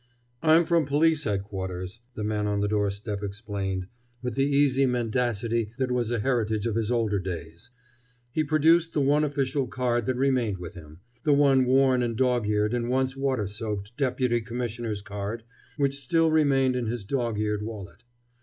"I'm from Police Headquarters," the man on the doorstep explained, with the easy mendacity that was a heritage of his older days. He produced the one official card that remained with him, the one worn and dog eared and once water soaked Deputy Commissioner's card which still remained in his dog eared wallet.